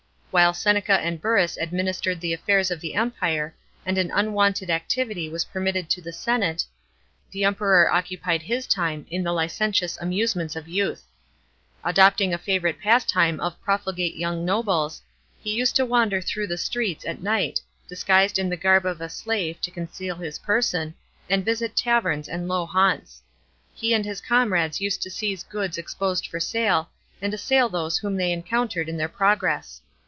While Seneca and Burrus ad ministered the affairs of the Empire, and an unwonted activity was permitted to the senate, the Emperor occupied his time in the licentious amusements of youth. Adopting a favourite pastime of profligate young nobles, he used to wander through the streets at night, disguised in the garb of a slave to conceal his person, and visit taverns and low haunts. He and his comrades used to seize goods exposed for sale, and assail those whom they encountered in their progress.